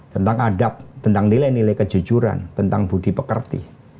tentang adab tentang nilai nilai kejujuran tentang budi pekerti